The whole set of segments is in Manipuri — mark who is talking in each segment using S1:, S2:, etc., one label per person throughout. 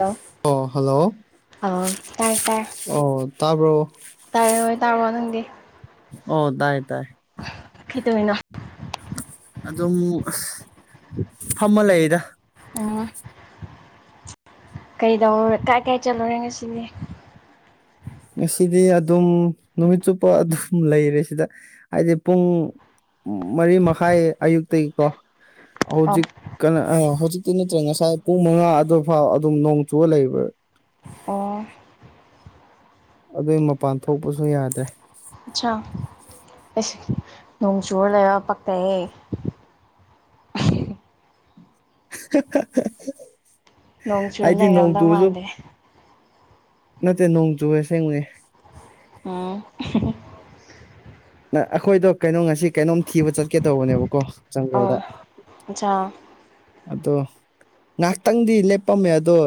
S1: ꯂꯣ
S2: ꯑꯣ ꯍꯜꯂꯣ
S1: ꯑꯧ ꯇꯥꯏ ꯇꯥꯏ
S2: ꯑꯣ ꯇꯥꯕ꯭ꯔꯣ
S1: ꯇꯥꯔꯣꯏ ꯇꯥꯔꯕꯣ ꯅꯪꯗꯤ
S2: ꯑꯣ ꯇꯥꯏ ꯇꯥꯏ
S1: ꯀꯩꯗꯧꯏꯅꯣ
S2: ꯑꯗꯨꯝ ꯑꯁ ꯐꯝꯃ ꯂꯩꯌꯦꯗ
S1: ꯎ ꯀꯩꯗꯧꯔꯦ ꯀꯥꯏ ꯀꯥꯏ ꯆꯠꯂꯨꯔꯦ ꯉꯁꯤꯗꯤ
S2: ꯉꯁꯤꯗꯤ ꯑꯗꯨꯝ ꯅꯨꯃꯤꯠ ꯆꯨꯞꯄ ꯑꯗꯨꯝ ꯂꯩꯔꯦ ꯁꯤꯗ ꯍꯥꯏꯗꯤ ꯄꯨꯡ ꯃꯔꯤ ꯃꯈꯥꯏ ꯑꯌꯨꯛꯇꯒꯤꯀꯣ
S1: ꯑꯣ
S2: ꯍꯧꯖꯤꯛ ꯀꯟꯅ ꯍꯧꯖꯤꯛꯇꯤ ꯅꯠꯇ꯭ꯔꯦ ꯉꯁꯥꯏ ꯄꯨꯡ ꯃꯉꯥ ꯑꯗꯨ ꯐꯥꯎ ꯑꯗꯨꯝ ꯅꯣꯡ ꯆꯨꯔ ꯂꯩꯔꯦ
S1: ꯑꯣ
S2: ꯑꯗꯨꯏ ꯃꯄꯥꯟ ꯊꯣꯛꯄꯁꯨ ꯌꯥꯗ꯭ꯔꯦ
S1: ꯑꯆꯥ ꯑꯁ ꯅꯣꯡ ꯆꯨꯔ ꯂꯩꯔꯒ ꯄꯛꯇꯦꯍꯦ
S2: [inaudible]
S1: ꯅꯣꯡ ꯆꯨꯨꯔ
S2: ꯍꯥꯏꯗꯤ ꯅꯣꯡ
S1: ꯂꯩꯔꯝꯗꯧ
S2: ꯆꯨꯕꯁꯨ
S1: ꯃꯥꯟꯗꯦ
S2: ꯅꯠꯇꯦ ꯅꯣꯡ ꯆꯨꯑꯦ ꯑꯁꯦꯡꯕꯅꯦ
S1: ꯎꯝ
S2: ꯅ ꯑꯩꯈꯣꯏꯗꯣ ꯀꯩꯅꯣ ꯉꯁꯤ ꯀꯩꯅꯣꯝ ꯊꯤꯕ ꯆꯠꯀꯦ ꯇꯧꯕꯅꯦꯕꯀꯣ ꯖꯪꯒꯜꯗ
S1: ꯑꯠꯆꯥ
S2: ꯑꯗꯣ ꯉꯩꯍꯥꯛꯇꯪꯗꯤ ꯂꯦꯞꯄꯝꯃꯦ ꯑꯗꯣ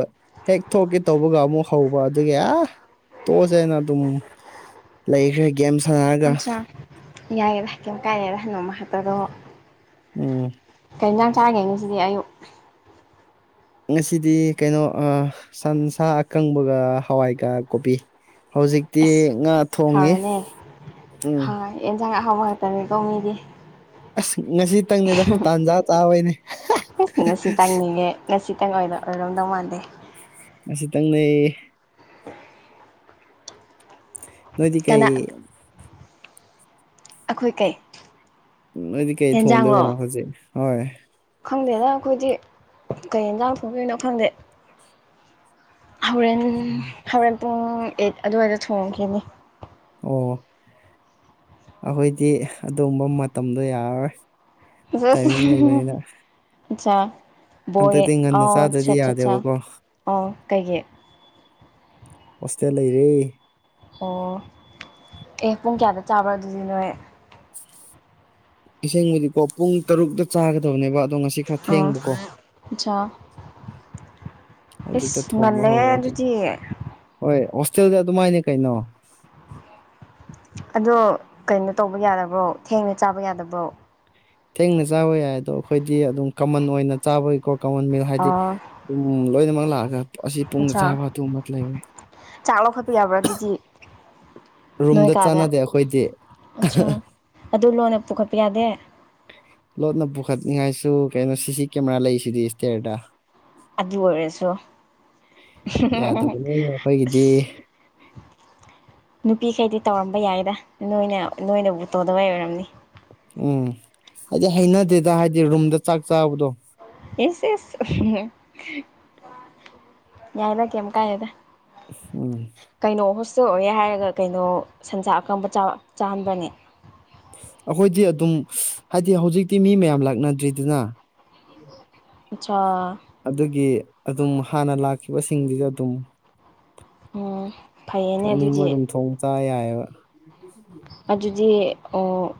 S2: ꯍꯦꯛ ꯊꯣꯛꯀꯦ ꯇꯧꯕꯒ ꯑꯃꯨꯛ ꯍꯧꯕ ꯑꯗꯨꯒꯤ ꯑꯥ ꯇꯣꯛꯑꯁꯦꯅ ꯑꯗꯨꯝ ꯂꯩꯈ꯭ꯔꯦ ꯒꯦꯝ ꯁꯥꯟꯅꯔꯒ
S1: ꯑꯠꯆꯥ ꯌꯥꯏꯑꯦꯕ ꯀꯔꯤꯝ ꯀꯥꯏꯗꯦꯗ ꯅꯣꯡꯃ ꯈꯛꯇꯗꯨꯕꯨ
S2: ꯎꯝ
S1: ꯀꯩ ꯌꯦꯟꯁꯥꯡꯡ ꯆꯥꯒꯦ ꯉꯁꯤꯗꯤ ꯑꯌꯨꯛ
S2: ꯉꯁꯤꯗꯤ ꯀꯩꯅꯣ ꯑꯥ ꯁꯟꯁꯥ ꯑꯀꯪꯕꯒ ꯍꯋꯥꯏꯒ ꯀꯣꯕꯤ ꯍꯧꯖꯤꯛꯇꯤ
S1: ꯑꯁ
S2: ꯉꯥ ꯊꯣꯡꯉꯤ ꯎꯝ
S1: ꯑꯦꯟꯁꯥꯡ ꯑꯍꯥꯎꯕ ꯉꯥꯛꯇꯅꯦ ꯀꯣ ꯃꯤꯗꯤ
S2: ꯑꯁ ꯉꯁꯤꯇꯪꯅꯤꯗ ꯇꯥꯟꯖꯥ ꯆꯥꯕꯩꯅꯦ
S1: ꯑꯩꯁ ꯉꯁꯤ ꯇꯪꯅꯤꯅꯦ ꯉꯁꯤꯇꯪ ꯑꯣꯏꯔꯝꯗꯧ ꯃꯥꯟꯗꯦ
S2: ꯑꯁꯤꯇꯪꯅꯦ ꯅꯣꯏꯗꯤ
S1: ꯀꯅꯥ
S2: ꯀꯩ
S1: ꯑꯩꯈꯣꯏ ꯀꯩ
S2: ꯅꯣꯏꯗꯤ ꯀꯩ ꯊꯣꯡꯗꯣꯏꯕ
S1: ꯍꯦꯟꯖꯥꯡꯂꯣ
S2: ꯍꯧꯖꯤꯛ ꯍꯣꯏ
S1: ꯈꯪꯗꯦꯗ ꯑꯩꯈꯣꯏꯗꯤ ꯀꯩ ꯌꯦꯟꯁꯥꯡ ꯊꯣꯡꯗꯣꯏꯅꯣ ꯈꯪꯗꯦ ꯍꯣꯔꯦꯟ ꯍꯣꯔꯦꯟ ꯄꯨꯡ ꯑꯩꯠ ꯑꯗꯨꯋꯥꯏꯗ ꯊꯣꯡꯈꯤꯅꯤ
S2: ꯑꯣ ꯑꯩꯈꯣꯏꯗꯤ ꯑꯗꯨꯝꯕ ꯃꯇꯝꯗꯣ ꯌꯥꯔꯔꯣꯏ
S1: ꯖꯦꯁ
S2: ꯇꯥꯏꯃꯤꯡ ꯂꯩꯕꯅꯤꯅ
S1: ꯑꯠꯁꯥ ꯕꯣꯏꯌꯦ
S2: ꯍꯟꯗꯛꯇꯤ ꯉꯟꯅ
S1: ꯑꯥꯎ
S2: ꯆꯥꯗ꯭ꯔꯗꯤ
S1: ꯆꯠ ꯆꯠꯆꯥ
S2: ꯌꯥꯗꯦꯕꯀꯣ
S1: ꯑꯧ ꯀꯩꯒꯤ
S2: ꯍꯣꯁꯇꯦꯜ ꯂꯩꯔꯦ
S1: ꯑꯣ ꯑꯦ ꯄꯨꯡ ꯀꯌꯥꯗ ꯆꯥꯕ꯭ꯔ ꯑꯗꯨꯗꯤ ꯅꯣꯏ
S2: ꯑꯁꯦꯡꯕꯗꯤꯀꯣ ꯄꯨꯡ ꯇꯔꯨꯛꯇ ꯆꯥꯒꯗꯕꯅꯦꯕ ꯑꯗꯣ ꯉꯁꯤ ꯈꯔ
S1: ꯑꯣ
S2: ꯊꯦꯡꯕꯀꯣ
S1: ꯑꯠꯆꯥ
S2: ꯍꯧꯖꯤꯛꯇ
S1: ꯏꯁ
S2: ꯊꯣꯡꯕ
S1: ꯉꯜꯂꯦꯍꯦ
S2: ꯍꯧꯋꯦ ꯑꯗꯨ
S1: ꯑꯗꯨꯗꯤ
S2: ꯍꯣꯏ ꯍꯣꯁꯇꯦꯜꯗꯤ ꯑꯗꯨꯃꯥꯏꯅꯤ ꯀꯩꯅꯣ
S1: ꯑꯗꯣ ꯀꯩꯅꯣ ꯇꯧꯕ ꯌꯥꯗꯕ꯭ꯔꯣ ꯊꯦꯡꯅ ꯆꯥꯕ ꯌꯥꯗꯕ꯭ꯔꯣ
S2: ꯊꯦꯡꯅ ꯆꯥꯕ ꯌꯥꯏ ꯑꯗꯣ ꯑꯩꯈꯣꯏꯗꯤ ꯑꯗꯨꯝ ꯀꯃꯟ ꯑꯣꯏꯅ ꯆꯥꯕꯒꯤꯀꯣ ꯀꯃꯟ ꯃꯤꯜ ꯍꯥꯏꯗꯤ
S1: ꯑꯣ
S2: ꯎꯝ ꯂꯣꯏꯅꯃꯛ ꯂꯥꯛꯑꯒ ꯑꯁꯤ ꯄꯨꯡꯗ
S1: ꯑꯠꯆꯥ
S2: ꯆꯥꯕ ꯑꯗꯨꯝꯕ ꯂꯩꯔꯣꯏ
S1: ꯆꯥꯛ ꯂꯧꯈꯠꯄ ꯌꯥꯕ꯭ꯔꯥ ꯑꯗꯨꯗꯤ ꯅꯣꯏ
S2: ꯔꯨꯝꯗ
S1: ꯀꯥꯗ
S2: ꯆꯥꯟꯅꯗꯦ ꯑꯩꯈꯣꯏꯗꯤ
S1: ꯑꯠꯆꯥ ꯑꯗꯨ ꯂꯣꯟꯅ ꯄꯨꯈꯠꯄ ꯌꯥꯗꯦ
S2: ꯂꯣꯠꯅ ꯄꯨꯈꯠꯅꯤꯡꯉꯥꯏꯁꯨ ꯀꯩꯅꯣ ꯁꯤꯁꯤ ꯀꯦꯃꯦꯔꯥ ꯂꯩꯁꯤꯗꯤ ꯏꯁꯇ꯭ꯌꯔꯗ
S1: ꯑꯗꯨ ꯑꯣꯏꯔꯁꯨ [unintelligible]
S2: ꯌꯥꯗꯕꯅꯦ ꯑꯩꯈꯣꯏꯒꯤꯗꯤ
S1: ꯑꯁ
S2: [inaudible]
S1: ꯅꯨꯄꯤꯈꯩꯗꯤ ꯇꯧꯔꯝꯕ ꯌꯥꯏꯗ ꯅꯣꯏꯅ ꯅꯣꯏꯅꯕꯨ ꯇꯧꯗꯕꯩ ꯑꯣꯏꯔꯝꯅꯤ
S2: ꯎꯝ ꯍꯥꯏꯗꯤ ꯍꯩꯅꯗꯦꯗ ꯍꯥꯏꯗꯤ ꯔꯨꯝꯗ ꯆꯥꯛ ꯆꯥꯕꯗꯣ
S1: ꯏꯁ ꯏꯁ ꯌꯥꯏꯗ ꯀꯦꯝ ꯀꯥꯏꯗꯦꯗ
S2: ꯎꯝ
S1: ꯀꯩꯅꯣ ꯍꯣꯁꯇꯦꯜ ꯑꯣꯏꯔꯦ ꯍꯥꯏꯔꯒ ꯀꯩꯅꯣ ꯁꯟꯖꯥ ꯑꯀꯪꯕ ꯆꯥ ꯆꯥꯍꯟꯕꯔꯅꯦ
S2: ꯑꯈꯣꯏꯗꯤ ꯑꯗꯨꯝ ꯍꯥꯏꯗꯤ ꯍꯧꯖꯤꯛꯇꯤ ꯃꯤ ꯃꯌꯥꯝ ꯂꯥꯛꯅꯗ꯭ꯔꯤꯗꯅ
S1: ꯑꯆꯥꯥ
S2: ꯑꯗꯨꯒꯤ ꯑꯗꯨꯝ ꯍꯥꯟꯅ ꯂꯥꯛꯈꯤꯕꯁꯤꯡꯗꯨꯁꯨ ꯑꯗꯨꯝ
S1: ꯎꯝ ꯐꯩꯌꯦꯅꯦ
S2: ꯊꯣꯛꯅꯤꯡꯕ
S1: ꯑꯗꯨꯗꯤ
S2: ꯑꯗꯨꯝ ꯊꯣꯡ ꯆꯥ ꯌꯥꯏꯑꯦꯕ
S1: ꯑꯗꯨꯗꯤ ꯑꯣ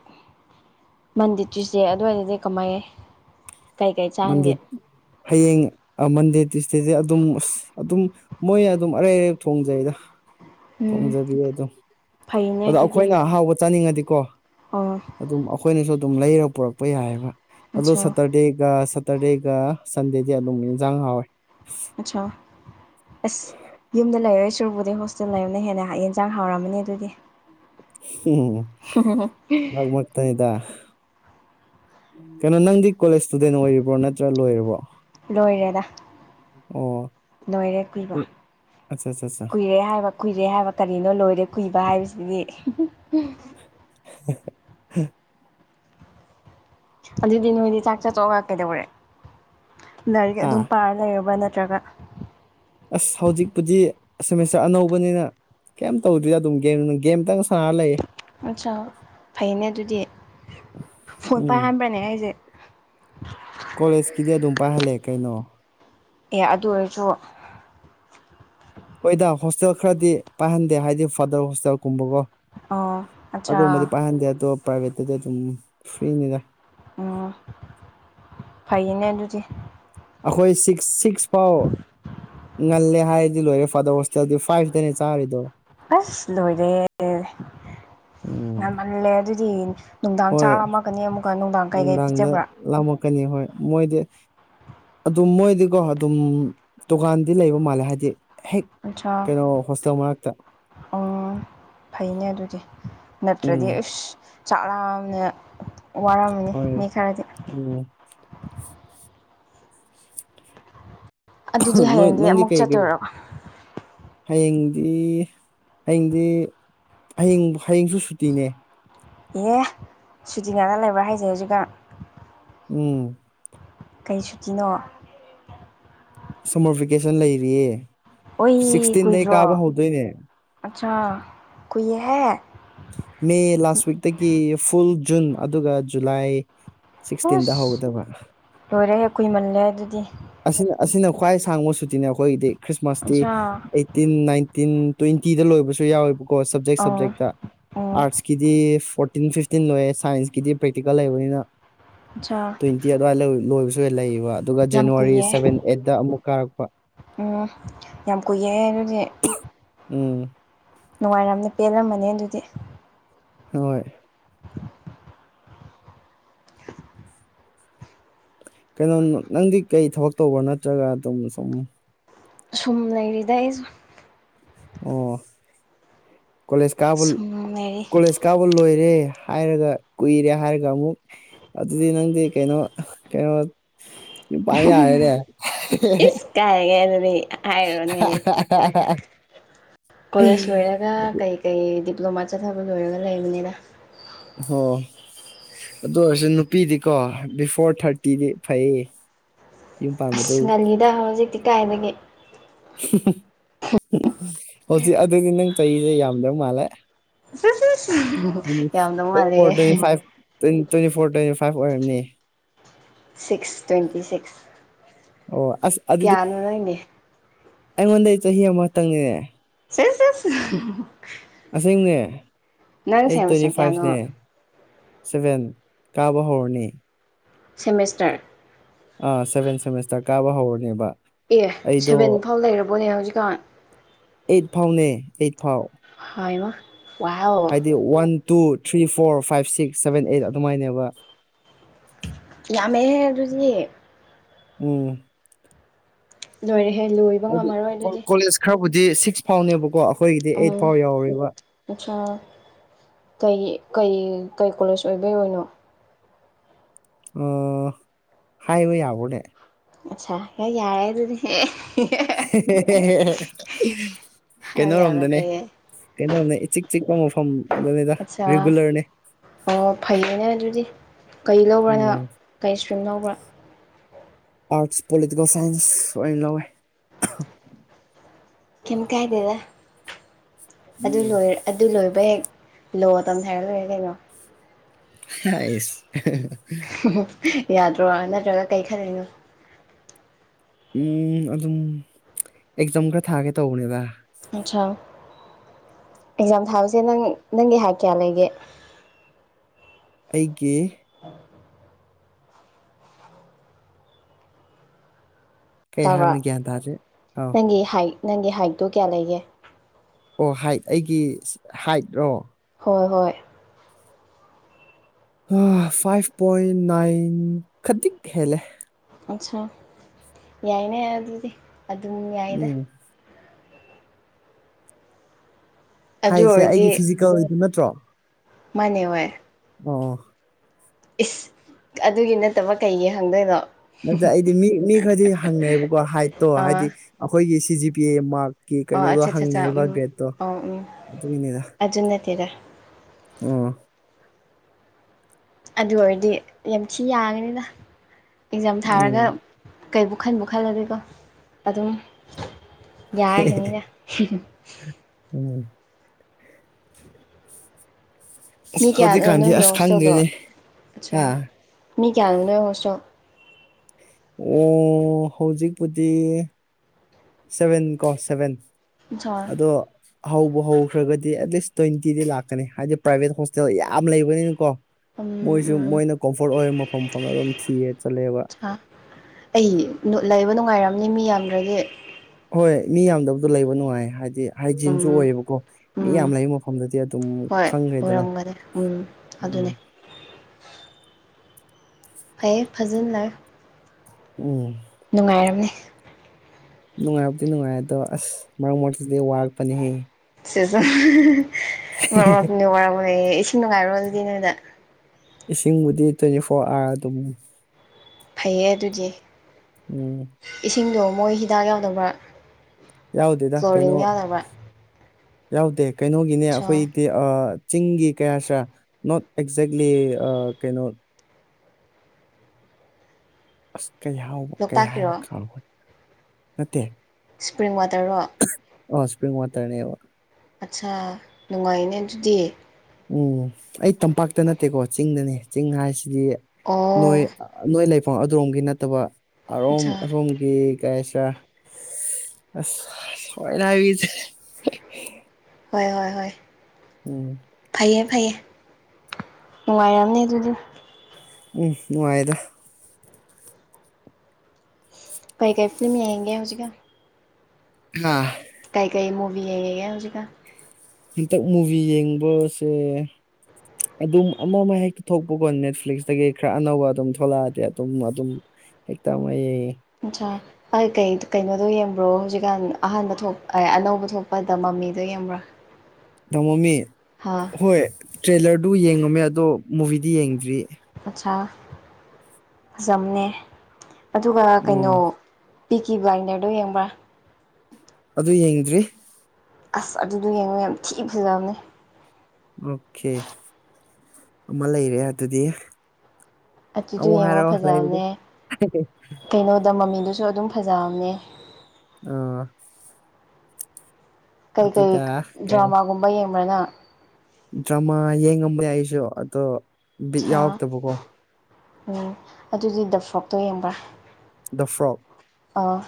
S1: ꯃꯟꯗꯤ ꯇꯨꯋꯤꯁꯗꯦ ꯑꯗꯨꯋꯥꯏꯗꯗꯤ ꯀꯃꯥꯏ ꯀꯩꯀꯩ
S2: ꯃꯟꯗꯦ
S1: ꯆꯥꯍꯟꯒꯦ
S2: ꯍꯌꯦꯡ ꯃꯟꯗꯦ ꯇꯨꯋꯤꯁꯗꯦꯁꯦ ꯑꯗꯨꯝ ꯑꯁ ꯑꯗꯨꯝ ꯃꯣꯏ ꯑꯗꯨꯝ ꯑꯔꯩ ꯑꯔꯩꯕ ꯊꯣꯡꯖꯩꯗ
S1: ꯎꯝ
S2: ꯊꯣꯡꯖꯕꯤꯌꯦ ꯑꯗꯨꯝ
S1: ꯐꯩꯅꯦ
S2: ꯑꯗꯣ
S1: ꯑꯗꯨꯗꯤ
S2: ꯑꯩꯈꯣꯏꯅ ꯑꯍꯥꯎꯕ ꯆꯥꯅꯤꯡꯉꯗꯤꯀꯣ
S1: ꯑꯣ
S2: ꯑꯗꯨꯝ ꯑꯩꯈꯣꯏꯅꯁꯨ ꯑꯗꯨꯝ ꯂꯩꯔ ꯄꯨꯔꯛꯄ ꯌꯥꯏꯑꯦꯕ ꯑꯗꯣ
S1: ꯑꯠꯆꯥ
S2: ꯁꯇꯔꯗꯦꯒ ꯁꯇ꯭ꯔꯗꯦꯒ ꯁꯟꯗꯦꯗꯤ ꯑꯗꯨꯝ ꯏꯟꯁꯥꯡ ꯍꯥꯎꯋꯦ
S1: ꯑꯆꯥꯥ ꯑꯁ ꯌꯨꯝꯗ ꯂꯩꯔꯣꯏ ꯁꯔꯨꯕꯨꯗꯤ ꯍꯣꯁꯇꯦꯜ ꯂꯩꯕꯅ ꯍꯦꯟꯅ ꯌꯦꯟꯁꯥꯡ ꯍꯥꯎꯔꯝꯃꯅꯤ ꯑꯗꯨꯗꯤ
S2: ꯎꯝ
S1: [unintelligible]
S2: ꯑꯇꯩꯗ ꯀꯩꯅꯣ ꯅꯪꯗꯤ ꯀꯣꯂꯦꯖ ꯏꯁꯇꯨꯗꯦꯟ ꯑꯣꯏꯔꯤꯕꯣ ꯅꯠꯇ꯭ꯔ ꯂꯣꯏꯔꯕꯣ
S1: ꯂꯣꯏꯔꯦꯗ
S2: ꯑꯣ
S1: ꯂꯣꯏꯔꯦ ꯀꯨꯏꯕ
S2: ꯑꯠꯆꯥ ꯑꯠꯆꯥ ꯑꯠꯆꯥ
S1: ꯀꯨꯏꯔꯦ ꯍꯥꯏꯕ ꯀꯨꯏꯔꯦ ꯍꯥꯏꯕ ꯀꯔꯤꯅꯣ ꯂꯣꯏꯔꯦ ꯀꯨꯏꯕ ꯍꯥꯏꯕꯁꯤꯗꯤ
S2: [unintelligible]
S1: ꯑꯗꯨꯗꯤ ꯅꯣꯏꯗꯤ ꯆꯥꯛ ꯆꯥꯊꯣꯛꯑꯒ ꯀꯩꯗꯧꯔꯦ ꯂꯥꯏꯔꯤꯛ ꯑꯗꯨꯝ
S2: ꯍꯥ
S1: ꯄꯥꯔ ꯂꯩꯔꯕ꯭ꯔꯥ ꯅꯠꯇ꯭ꯔꯒ
S2: ꯑꯁ ꯍꯧꯖꯤꯛꯄꯨꯗꯤ ꯁꯦꯃꯤꯁꯇꯔ ꯑꯅꯧꯕꯅꯤꯅ ꯀꯩꯝ ꯇꯧꯗ꯭ꯔꯤꯗ ꯑꯗꯨꯝ ꯒꯦꯝ ꯒꯦꯝꯇꯪ ꯁꯥꯟꯅꯔ ꯂꯩꯌꯦ
S1: ꯑꯠꯆꯥꯥ ꯐꯩꯅꯦ ꯑꯗꯨꯗꯤ ꯐꯣꯟ
S2: ꯎꯝ
S1: ꯄꯥꯏꯍꯟꯕ꯭ꯔꯅꯦ ꯍꯥꯏꯖꯦ
S2: ꯀꯣꯂꯦꯖꯀꯤꯗꯤ ꯑꯗꯨꯝ ꯄꯥꯏꯍꯜꯂꯦ ꯀꯩꯅꯣ
S1: ꯑꯦ ꯑꯗꯨ ꯑꯣꯏꯔꯁꯨ
S2: ꯍꯣꯏꯗ ꯍꯣꯁꯇꯦꯜ ꯈꯔꯗꯤ ꯄꯥꯏꯍꯟꯗꯦ ꯍꯥꯏꯗꯤ ꯐꯥꯗꯔ ꯍꯣꯁꯇꯦꯜ ꯀꯨꯝꯕꯀꯣ
S1: ꯑꯣ
S2: ꯑꯗꯨꯝꯕꯗꯤ
S1: ꯑꯠꯆꯥ
S2: ꯄꯥꯏꯍꯟꯗꯦ ꯑꯗꯣ ꯄ꯭ꯔꯥꯏꯕꯦꯠꯇꯗꯤ ꯑꯗꯨꯝ ꯐ꯭ꯔꯤꯅꯤꯗ
S1: ꯎꯝ ꯐꯩꯅꯦ ꯑꯗꯨꯗꯤ
S2: ꯑꯩꯈꯣꯏ ꯁꯤꯛꯁ ꯁꯤꯛꯁ ꯐꯥꯎ ꯉꯜꯂꯦ ꯍꯥꯏꯗꯤ ꯂꯣꯏꯔꯦ ꯐꯥꯗꯔ ꯍꯣꯁꯇꯦꯜꯗꯤ ꯐꯥꯏꯚꯇꯅꯦ ꯆꯥꯔꯤꯗꯣ꯫
S1: ꯑꯁ ꯂꯣꯏꯔꯦ
S2: ꯎꯝ
S1: ꯉꯝꯃꯜꯂꯦ ꯑꯗꯨꯗꯤ꯫ ꯅꯨꯡꯗꯥꯡ
S2: ꯍꯣꯏ
S1: ꯆꯥꯛ ꯂꯥꯝꯃꯛꯀꯅꯤ ꯑꯃꯨꯛꯀ ꯅꯨꯡꯗꯥꯡ ꯀꯩꯀꯩ
S2: ꯅꯨꯡꯗꯥꯡꯗ
S1: ꯄꯤꯖꯕ꯭ꯔꯥ?
S2: ꯂꯥꯝꯃꯛꯀꯅꯤ ꯍꯣꯏ ꯃꯣꯏꯗꯤ ꯑꯗꯨꯝ ꯃꯣꯏꯗꯤꯀꯣ ꯑꯗꯨꯝ ꯗꯨꯀꯥꯟꯗꯤ ꯂꯩꯕ ꯃꯥꯜꯂꯦ ꯍꯥꯏꯗꯤ ꯍꯦꯛ ꯀꯩꯅꯣ ꯍꯣꯁꯇꯦꯜ ꯃꯔꯥꯛꯇ꯫
S1: ꯑꯣ ꯐꯩꯅꯦ ꯑꯗꯨꯗꯤ ꯅꯠꯇ꯭ꯔꯗꯤ
S2: ꯎꯝ
S1: ꯏꯁ ꯆꯥꯛꯂꯥꯝꯅ ꯋꯥꯔꯝꯃꯅꯤ ꯃꯤ ꯈꯔꯗꯤ꯫
S2: ꯎꯝ
S1: ꯑꯗꯨꯗꯤ
S2: ꯅꯣꯏ
S1: ꯍꯌꯦꯡꯗꯤ
S2: ꯅꯪꯗꯤ
S1: ꯑꯃꯨꯛ
S2: ꯀꯩ ꯀꯩ
S1: ꯆꯠꯇꯣꯏꯔꯣ
S2: ꯍꯌꯦꯡꯗꯤ ꯍꯌꯦꯡꯗꯤ ꯍꯌꯦꯡ ꯍꯌꯦꯡꯁꯨ ꯁꯨꯇꯤꯅꯦ꯫
S1: ꯑꯦ ꯁꯨꯇꯤ ꯉꯥꯗ ꯂꯩꯕ꯭ꯔꯥ ꯍꯥꯏꯖꯦ ꯍꯧꯖꯤꯛꯀꯥꯟ꯫
S2: ꯎꯝ
S1: ꯀꯩ ꯁꯨꯇꯤꯅꯣ꯫
S2: ꯁꯨꯃꯔ ꯚꯦꯀꯦꯁꯟ ꯂꯩꯔꯤꯌꯦ꯫
S1: ꯍꯣꯏ
S2: ꯁꯤꯛꯁꯇꯤꯟꯗꯩ
S1: ꯀꯨꯏꯗ꯭ꯔꯣ
S2: ꯀꯥꯕ ꯍꯧꯗꯣꯏꯅꯦ
S1: ꯑꯠꯆꯥꯥ ꯀꯨꯏꯍꯦ꯫
S2: ꯃꯦ ꯂꯥꯁ ꯋꯤꯛꯇꯒꯤ ꯐꯨꯜ ꯖꯨꯟ ꯑꯗꯨꯒ ꯖꯨꯂꯥꯏ꯫ ꯁꯤꯛꯁꯇꯤꯟꯗ
S1: ꯑꯁ
S2: ꯍꯧꯒꯗꯕ
S1: ꯂꯣꯏꯔꯦꯍꯦ ꯀꯨꯏꯃꯜꯂꯦ ꯑꯗꯨꯗꯤ꯫
S2: ꯑꯁꯤ ꯑꯁꯤꯅ ꯈ꯭ꯋꯥꯏ ꯁꯥꯡꯕ ꯁꯨꯇꯤꯅꯦ ꯑꯩꯈꯣꯏꯒꯤꯗꯤ ꯈ꯭ꯔꯤꯁꯃꯥꯁꯇꯤ
S1: ꯑꯠꯆꯥ
S2: ꯑꯩ ꯇꯤꯟ ꯅꯥꯏꯟꯇꯤꯟ ꯇ꯭ꯋꯦꯟꯇꯤꯗ ꯂꯣꯏꯕꯁꯨ ꯌꯥꯎꯋꯦꯕꯀꯣ ꯁꯞꯖꯦꯛ
S1: ꯑꯧ
S2: ꯁꯞꯖꯦꯛꯇ
S1: ꯎꯝ
S2: ꯑꯥꯔꯠꯁ ꯀꯤꯗꯤ ꯐꯣꯔꯇꯤꯟ ꯐꯤꯐꯇꯤꯟ ꯂꯣꯏꯑꯦ ꯁꯥꯏꯟꯁꯀꯤꯗꯤ ꯄ꯭ꯔꯦꯛꯇꯤꯀꯦꯜ ꯂꯩꯕꯅꯤꯅ꯫
S1: ꯑꯠꯆꯥ
S2: ꯇ꯭ꯋꯦꯟꯇꯤ ꯑꯗꯨꯋꯥꯏ ꯂꯧ ꯂꯣꯏꯕꯁꯨ ꯂꯩꯌꯦꯕ꯫ ꯑꯗꯨꯒ
S1: ꯌꯥꯝ
S2: ꯖꯦꯅꯋꯥꯔꯤ
S1: ꯀꯨꯏꯌꯦ
S2: ꯁꯚꯦꯟ ꯑꯩꯠꯗ ꯑꯃꯨꯛ ꯀꯥꯔꯛꯄ꯫
S1: ꯎꯝ ꯌꯥꯝ ꯀꯨꯏꯌꯦꯍꯦ ꯑꯗꯨꯗꯤ
S2: ꯎꯝ
S1: ꯅꯨꯡꯉꯥꯏꯔꯝꯅꯤ ꯄꯦꯟꯂꯝꯃꯅꯤ ꯑꯗꯨꯗꯤ꯫
S2: ꯍꯣꯏ ꯀꯩꯅꯣ ꯅꯪꯗꯤ ꯀꯩ ꯊꯕꯛ ꯇꯧꯕ꯭ꯔꯥ ꯅꯠꯇ꯭ꯔꯒ ꯑꯗꯨꯝ ꯁꯨꯝ
S1: ꯁꯨꯝ ꯂꯩꯔꯤꯗ ꯑꯩꯖꯨ꯫
S2: ꯑꯣ ꯀꯣꯂꯦꯖ ꯀꯥꯕꯜ
S1: ꯁꯨꯝ ꯂꯩꯔꯤ
S2: ꯀꯣꯂꯦꯖ ꯀꯥꯕ ꯂꯣꯏꯔꯦ ꯍꯥꯏꯔꯒ ꯀꯨꯏꯔꯦ ꯍꯥꯏꯔꯒ ꯑꯃꯨꯛ ꯑꯗꯨꯗꯤ ꯅꯪꯗꯤ ꯀꯩꯅꯣ ꯀꯩꯅꯣ ꯌꯨꯝ ꯄꯥꯟ ꯌꯥꯔꯦꯅꯦ
S1: ꯏꯁ ꯀꯥꯢꯌꯦ ꯑꯗꯨꯗꯤ ꯍꯥꯏꯔꯣꯅꯩ ꯀꯣꯂꯦꯖ ꯂꯣꯏꯔꯒ ꯀꯩ ꯑꯩ ꯗꯤꯄ꯭ꯂꯣꯃꯥ ꯆꯠꯊꯕ ꯂꯣꯏꯔꯒ ꯂꯩꯕꯅꯤꯗ꯫
S2: ꯑꯣ ꯑꯗꯨ ꯑꯣꯏꯔꯁꯨ ꯅꯨꯄꯤꯗꯤꯀꯣ ꯕꯤꯐꯣꯔ ꯊꯥꯔꯇꯤꯗꯤ ꯐꯩꯌꯦ꯫ ꯌꯨꯝ
S1: ꯑꯁ
S2: ꯄꯥꯟꯕꯗꯨ
S1: ꯉꯜꯂꯤꯗ ꯍꯧꯖꯤꯛꯇꯤ ꯀꯥꯏꯗꯒꯤ꯫
S2: ꯍꯧꯖꯤꯛ ꯑꯗꯨꯗꯤ ꯅꯪ ꯆꯍꯤꯖꯦ ꯌꯥꯝꯗꯕ ꯃꯥꯜꯂꯦ꯫
S1: ꯁꯤꯁꯤꯁ
S2: twenty four twenty five ꯇ꯭ꯋꯦꯟ twenty four twenty five ꯑꯣꯏꯔꯝꯅꯤ꯫
S1: Six twenty six.
S2: ꯑꯣ ꯑꯁ ꯑꯗꯨꯗꯤ
S1: ꯀꯌꯥꯅꯣ ꯅꯪꯗꯤ
S2: ꯑꯩꯉꯣꯟꯗꯩ ꯆꯍꯤ ꯑꯃꯇꯪꯅꯤꯅꯦ꯫
S1: ꯁꯤꯁ ꯁꯤꯁ
S2: ꯑꯁꯦꯡꯅꯦ
S1: ꯅꯪ
S2: ꯑꯩ ꯇ꯭ꯋꯦꯟꯇꯤ
S1: ꯁꯦꯃꯤꯁꯇꯔ ꯀꯌꯥꯅꯣ
S2: ꯐꯥꯏꯚꯅꯦ꯫ ꯁꯚꯦꯟ ꯀꯥꯕ ꯍꯧꯔꯅꯤ꯫
S1: ꯁꯦꯃꯤꯁꯇꯔ
S2: ꯑ ꯁꯚꯦꯟ ꯁꯦꯃꯤꯁꯇꯔ ꯀꯥꯕ ꯍꯧꯕꯅꯦꯕ
S1: ꯑꯦ ꯁꯚꯦꯟ ꯐꯥꯎ ꯂꯩꯔꯕꯣꯅꯦ ꯍꯧꯖꯤꯛꯀꯥꯟ
S2: ꯑꯩꯠ ꯐꯥꯎꯅꯦ ꯑꯩꯠ ꯐꯥꯎ
S1: ꯍꯥꯏ ꯋꯥ
S2: ꯍꯥꯏꯗꯤ one two three four five six seven eight ꯑꯗꯨꯃꯥꯏꯅꯦꯕ
S1: ꯌꯥꯝꯃꯦꯍꯦ ꯑꯗꯨꯗꯤ
S2: ꯎꯝ
S1: ꯂꯣꯏꯔꯦꯍꯦ ꯂꯣꯏ
S2: ꯍꯥꯏꯗꯤ ꯀꯣ ꯀꯣꯂꯦꯖ ꯈꯔꯕꯨꯗꯤ ꯁꯤꯛꯁ ꯐꯥꯎ ꯅꯦꯕꯀꯣ ꯑꯩꯈꯣꯏꯒꯤꯗꯤ ꯑꯩꯠ ꯐꯥꯎ ꯌꯧꯔꯦꯕ
S1: ꯑꯠꯆꯥꯥ ꯀꯩ ꯀꯩ ꯀꯩ ꯀꯣꯂꯦꯖ ꯑꯣꯏꯕꯩꯑꯣꯢꯅꯣ
S2: ꯑ ꯍꯥꯏꯋ ꯌꯥꯕꯣꯅꯦ
S1: ꯑꯠꯆꯥꯥ ꯍꯩ ꯌꯥꯔꯦ ꯑꯗꯨꯗꯤ ꯑꯦ ꯍꯦꯍꯦ
S2: [unintelligible]
S1: ꯍꯥꯏꯕ
S2: ꯀꯩꯅꯣ ꯔꯣꯝꯗꯅꯦ
S1: ꯌꯥꯔꯣꯏꯌꯦ
S2: ꯀꯩꯅꯣꯅꯦ ꯏꯆꯤꯛ ꯆꯤꯛꯄ ꯃꯐꯝ
S1: ꯑꯠꯆꯥ ꯑꯣ ꯐꯩꯌꯦꯅꯦ ꯑꯗꯨꯗꯤ ꯀꯩ ꯂꯧꯕ꯭ꯔ
S2: ꯎꯝ
S1: ꯅꯪ ꯀꯩ ꯏꯁ꯭ꯇ꯭ꯔꯤꯝ ꯂꯧꯕ꯭ꯔꯥ
S2: ꯑꯥꯔꯠꯁ ꯄꯣꯂꯤꯇꯤꯀꯦꯜ ꯁꯥꯏꯟꯁ ꯑꯣꯢ ꯂꯧꯋꯦ
S1: ꯀꯩꯝ ꯀꯥꯏꯗꯦꯗ ꯑꯗꯨ
S2: ꯎꯝ
S1: ꯂꯣꯏꯔ ꯑꯗꯨ ꯂꯣꯏꯕ ꯍꯦꯛ ꯂꯣ ꯇꯝꯊꯔ ꯂꯣꯏꯔꯦ ꯀꯩꯅꯣ
S2: ꯍꯥꯏꯁ [unintelligible]
S1: ꯌꯥꯗ꯭ꯔꯣ ꯅꯠꯇ꯭ꯔꯒ ꯀꯩ ꯈꯜꯂꯤꯅꯣ
S2: ꯎꯝ ꯑꯗꯨꯝ ꯑꯦꯛꯖꯥꯝ ꯈꯔ ꯊꯥꯒꯦ ꯇꯧꯕꯅꯤꯗ
S1: ꯑꯦꯛꯖꯥꯝ ꯑꯦꯛꯖꯥꯝ ꯊꯥꯕꯁꯦ ꯅꯪ ꯅꯪꯒꯤ ꯍꯥꯏ ꯀꯌꯥ ꯂꯩꯒꯦ
S2: ꯑꯩꯒꯤ
S1: [inaudible]
S2: ꯀꯩ
S1: ꯇꯥꯕ꯭ꯔꯥ
S2: ꯍꯥꯏꯕꯅꯣ ꯒ꯭ꯌꯥꯟ ꯇꯥꯗ꯭ꯔꯦ ꯑꯧ
S1: ꯅꯪꯒꯤ ꯍꯥꯢꯠ ꯅꯪꯒꯤ ꯍꯥꯏꯠꯇꯣ ꯀꯌꯥ ꯂꯩꯒꯦ
S2: ꯑꯣ ꯍꯥꯏꯠ ꯑꯩꯒꯤ ꯍꯥꯏꯠ ꯔꯣ
S1: ꯍꯣꯏ ꯍꯣꯏ
S2: ꯍꯥ ꯐꯥꯏꯚ ꯄꯣꯏꯟ ꯅꯥꯏꯟ ꯈꯗꯤꯛ ꯍꯦꯜꯂꯦ
S1: ꯑꯠꯁꯥ ꯌꯥꯏꯅꯦ ꯑꯗꯨꯗꯤ ꯑꯗꯨꯝ ꯌꯥꯏꯗ
S2: ꯎꯝ
S1: ꯑꯗꯨ
S2: ꯍꯥꯏꯁꯦ ꯑꯩꯒꯤ ꯐꯤꯖꯤꯀꯦꯜꯒꯤꯗꯨ ꯅꯠꯇ꯭ꯔꯣ
S1: ꯃꯥꯟꯅꯦ ꯍꯣꯏ
S2: ꯑꯣ
S1: ꯏꯁ ꯑꯗꯨꯒꯤ ꯅꯠꯇꯕ ꯀꯩꯒꯤ ꯍꯪꯗꯣꯏꯅꯣ
S2: ꯅꯠꯇꯦ ꯑꯩꯗꯤ ꯃꯤ ꯃꯤ ꯈꯔꯗꯤ ꯍꯪꯅꯩꯕꯀꯣ ꯍꯥꯏꯠꯇꯣ
S1: ꯑꯥ
S2: ꯍꯥꯏꯗꯤ ꯑꯩꯈꯣꯏꯒꯤ ꯁꯤ ꯖꯤ ꯄꯤ ꯑꯦ ꯃꯥꯔꯛ ꯀꯤ
S1: ꯑꯥ
S2: ꯀꯩꯅꯣꯗꯣ
S1: ꯑꯠꯆꯥ ꯆꯥ ꯆꯥ
S2: ꯍꯪꯅꯩꯕ
S1: ꯎꯝ
S2: ꯒ꯭ꯔꯦꯠꯇꯣ
S1: ꯑꯥ ꯎꯝ
S2: ꯑꯗꯨꯒꯤꯅꯤꯗ
S1: ꯑꯗꯨ ꯅꯠꯇꯦꯗ
S2: ꯑꯝ
S1: ꯑꯗꯨ ꯑꯣꯏꯔꯗꯤ ꯌꯥꯝ ꯊꯤ ꯌꯥꯒꯅꯤꯅ ꯑꯦꯛꯖꯥꯝ ꯊꯥꯔꯒ
S2: ꯎꯝ
S1: ꯀꯩꯕꯨ ꯈꯟꯕꯨ ꯈꯜꯂꯗꯤꯀꯣ ꯑꯗꯨꯝ ꯌꯥꯈꯤꯅꯤꯗ
S2: ꯎꯝ
S1: ꯃꯤ
S2: ꯑꯁ
S1: ꯀꯌꯥꯅꯣ
S2: ꯍꯧꯖꯤꯛꯀꯥꯟꯗꯤ
S1: ꯅꯣꯏꯒꯤ
S2: ꯑꯁ
S1: ꯍꯣꯁꯇꯦꯜꯗꯣ
S2: ꯈꯪꯗ꯭ꯔꯦꯅꯦ ꯍꯥ
S1: ꯑꯠꯆꯥ ꯃꯤ ꯀꯌꯥꯅꯣ ꯅꯣꯢ ꯍꯣꯁꯇꯦꯜ
S2: ꯑꯣ ꯍꯧꯖꯤꯛꯄꯨꯗꯤ ꯁꯚꯦꯟ ꯀꯣ ꯁꯚꯦꯟ ꯑꯗꯣ ꯍꯧꯕꯨ ꯍꯧꯈ꯭ꯔꯒꯗꯤ ꯑꯦꯠꯂꯤꯁ ꯇ꯭ꯋꯦꯟꯇꯤꯗꯤ ꯂꯥꯛꯀꯅꯤ ꯍꯥꯏꯗꯤ ꯄ꯭ꯔꯥꯏꯚꯦꯠ ꯍꯣꯁꯇꯦꯜ ꯌꯥꯝ ꯂꯩꯕꯅꯤꯅ ꯀꯣ
S1: ꯎꯝ
S2: ꯃꯣꯏꯁꯨ
S1: ꯎꯝ ꯎꯝ
S2: ꯃꯣꯏꯅ ꯀꯣꯝꯐꯣꯔꯠ ꯑꯣꯏꯕ ꯃꯐꯝ ꯐꯝꯗ ꯑꯗꯨꯝ ꯊꯤꯔ ꯆꯠꯂꯦꯕ
S1: ꯑ ꯑꯩ [unintelligible] ꯂꯩꯕ ꯅꯨꯡꯉꯥꯏꯔꯝꯅꯤ ꯃꯤ ꯌꯥꯝꯗ꯭ꯔꯗꯤ
S2: ꯍꯣꯏ ꯃꯤ ꯌꯥꯝꯗꯕꯗꯣ ꯂꯩꯕ ꯅꯨꯡꯉꯥꯏ ꯍꯥꯏꯗꯤ ꯍꯥꯏꯖꯤꯟꯁꯨ
S1: ꯎꯝ
S2: ꯑꯣꯏꯌꯦꯕꯀꯣ ꯃꯤ ꯌꯥꯝ
S1: ꯎꯝ
S2: ꯂꯩꯕ ꯃꯐꯝꯗꯗꯤ ꯑꯗꯨꯝ
S1: ꯍꯣꯏ
S2: ꯈꯪꯒ꯭ꯔꯦꯗꯅ
S1: ꯑꯣꯏꯔꯝꯒꯅꯤ ꯎꯝ ꯑꯗꯨꯅꯤ ꯐꯩꯌꯦ ꯐꯖꯟ ꯂꯩꯌꯣ
S2: ꯎꯝ
S1: ꯅꯨꯡꯉꯥꯏꯔꯝꯅꯤ
S2: ꯅꯨꯡꯉꯥꯏꯕꯨꯗꯤ ꯅꯨꯡꯉꯥꯏ ꯑꯗꯣ ꯑꯁ ꯃꯔꯛ ꯃꯔꯛꯇꯗꯤ ꯋꯥꯔꯛꯄꯅꯤ ꯍꯦ
S1: ꯁꯤꯁꯨ [unintelligible] ꯃꯔꯛ ꯃꯔꯛ ꯋꯥꯕꯁꯨ ꯏꯁꯤꯡ ꯅꯨꯡꯉꯥꯏꯕ꯭ꯔꯣ ꯑꯗꯨꯗꯤ ꯅꯣꯏꯗ
S2: ꯏꯁꯤꯡꯕꯨꯗꯤ ꯇ꯭ꯋꯦꯟꯇꯤ ꯐꯣꯔ ꯑꯥꯔ ꯑꯗꯨꯝ
S1: ꯐꯩꯌꯦ ꯑꯗꯨꯗꯤ
S2: ꯎꯝ
S1: ꯏꯁꯤꯡꯗꯣ ꯃꯣꯏ ꯍꯤꯗꯥꯛ ꯌꯥꯎꯗꯕ꯭ꯔꯥ
S2: ꯌꯥꯎꯗꯦꯗ ꯀꯩꯅꯣ
S1: ꯀ꯭ꯂꯣꯔꯤꯟ ꯌꯥꯎꯗꯕ꯭ꯔꯥ
S2: ꯌꯥꯎꯗꯦ ꯀꯩꯅꯣꯒꯤꯅꯦ ꯑꯈꯣꯏ
S1: ꯑꯠꯆꯥ
S2: ꯑꯥ ꯆꯤꯡꯒꯤ ꯀꯩ ꯍꯥꯢꯁꯤꯔꯥ ꯅꯣꯠ ꯑꯦꯛꯖꯦꯛꯂꯤ ꯑ ꯀꯩꯅꯣ ꯑꯁ ꯀꯩ ꯍꯥꯎꯕ ꯀꯩ ꯍꯥꯏꯕ
S1: ꯂꯣꯛꯇꯥꯛꯀꯤꯔꯣ
S2: ꯈꯪꯉꯣꯢ ꯅꯠꯇꯦ
S1: ꯁ꯭ꯄ꯭ꯔꯤꯡ ꯋꯥꯇꯔꯔꯣ
S2: ꯑ ꯁꯄ꯭ꯔꯤꯡ ꯋꯥꯇꯔꯅꯦꯕ
S1: ꯑꯠꯁꯥ ꯅꯨꯡꯉꯥꯏꯅꯦ ꯑꯗꯨꯗꯤ
S2: ꯎꯝ ꯑꯩ ꯇꯝꯄꯥꯛꯇ ꯅꯠꯇꯦꯀꯣ ꯆꯤꯡꯗꯅꯦ ꯆꯤꯡ ꯍꯥꯏꯁꯤꯗꯤ ꯅꯣꯏ
S1: ꯑꯣ
S2: ꯅꯣꯏ ꯂꯩꯐꯝ ꯑꯗꯣꯝꯒꯤ ꯅꯠꯇꯕ ꯑꯥꯔꯣꯝ
S1: ꯑꯠꯆꯥ
S2: ꯑꯁꯣꯝ ꯒꯤ ꯀꯩ ꯍꯥꯏꯁꯤꯔꯥ [unintelligible] ꯑꯁ ꯍꯣꯔꯦꯟ [unintelligible]
S1: ꯍꯣꯏ ꯍꯣꯏ ꯍꯣꯏ
S2: ꯎꯝ
S1: ꯐꯩꯌꯦ ꯐꯩꯌꯦ ꯅꯨꯡꯉꯥꯏꯔꯝꯅꯤ ꯑꯗꯨꯗꯤ
S2: ꯎꯝ ꯅꯨꯡꯉꯥꯏꯗ
S1: ꯀꯩ ꯀꯩ ꯐ꯭ꯂꯤꯝ ꯌꯦꯡꯒꯦ ꯍꯧꯖꯤꯛꯀꯥꯟ
S2: ꯍꯥꯥ
S1: ꯀꯩ ꯀꯩ ꯃꯨꯕꯤ ꯌꯦꯉꯤꯒꯦ ꯍꯧꯖꯤꯛꯀꯥꯟ
S2: ꯍꯟꯇꯛ ꯃꯨꯚꯤ ꯌꯦꯡꯕꯁꯦ ꯑꯗꯨꯝ ꯑꯃ ꯑꯃ ꯍꯦꯛꯇ ꯊꯣꯛꯄꯀꯣ ꯅꯦꯠꯐ꯭ꯂꯤꯛꯁꯇꯒꯤ ꯈ꯭ꯔ ꯑꯅꯧꯕ ꯑꯗꯨꯝ ꯊꯣꯛꯂꯛꯑꯗꯤ ꯑꯗꯨꯝ ꯑꯗꯨꯝ ꯍꯦꯛꯇ ꯑꯃ ꯌꯦꯡꯉꯦ
S1: ꯑꯠꯆꯥ ꯍ ꯣꯢ ꯀꯩ ꯀꯩꯅꯣꯗꯨ ꯌꯦꯡꯕ꯭ꯔꯣ ꯍꯧꯖꯤꯛꯀꯥꯟ ꯑꯍꯥꯟꯕ ꯊꯣꯛ ꯑꯅꯧꯕ ꯊꯣꯛꯄ ꯗꯥꯃꯃꯤꯗꯣ ꯌꯦꯡꯕ꯭ꯔꯣ
S2: ꯗꯥꯃꯃꯤ
S1: ꯍꯥꯥ
S2: ꯍꯣꯏ ꯇ꯭ꯔꯦꯂꯔꯗꯨ ꯌꯦꯡꯉꯝꯃꯦ ꯑꯗꯣ ꯃꯨꯚꯤꯗꯤ ꯌꯦꯡꯗ꯭ꯔꯤ
S1: ꯑꯠꯆꯥ ꯐꯖꯝꯅꯦ ꯑꯗꯨꯒ
S2: ꯎꯝ
S1: ꯀꯩꯅꯣ ꯄꯤꯀꯤ ꯕꯥꯏꯅꯔꯗꯣ ꯌꯦꯡꯕ꯭ꯔꯥ
S2: ꯑꯗꯨ ꯌꯦꯡꯗ꯭ꯔꯤ
S1: ꯑꯁ ꯑꯗꯨꯗꯣ ꯌꯦꯡꯉꯣ ꯌꯥꯝ ꯊꯤ ꯐꯖꯕꯅꯦ
S2: ꯑꯣꯈꯦ ꯑꯃ ꯂꯩꯔꯦ ꯑꯗꯨꯗꯤ
S1: ꯑꯗꯨꯗꯣ
S2: ꯑꯃꯨꯛ
S1: ꯌꯦꯡꯉꯣ
S2: ꯍꯥꯏꯔꯛꯑꯣ ꯂꯩꯔꯗꯤ
S1: ꯐꯖꯕꯅꯦ
S2: ꯍꯤ ꯍꯥ
S1: ꯀꯩꯅꯣꯗ ꯃꯃꯤꯗꯨꯁꯨ ꯑꯗꯨꯝ ꯐꯖꯝꯅꯦ
S2: ꯑꯣ
S1: ꯀꯩꯀꯩ
S2: ꯀꯩ
S1: ꯗ꯭ꯔꯃꯥꯒꯨꯝꯕ ꯌꯦꯡꯕ꯭ꯔ ꯅꯪ
S2: ꯗ꯭ꯔꯃꯥ ꯌꯦꯡꯉꯝꯕ ꯌꯥꯏ ꯑꯩꯁꯨ ꯑꯗꯣ ꯕꯤꯠ
S1: ꯑꯠꯆꯥ
S2: ꯌꯥꯎꯇꯕꯀꯣ
S1: ꯎꯝ ꯑꯗꯨꯗꯤ ꯗ ꯐ꯭ꯂꯣꯞꯇꯣ ꯌꯦꯡꯕ꯭ꯔꯥ
S2: ꯗ ꯐ꯭ꯔꯣꯞ
S1: ꯑꯥꯎ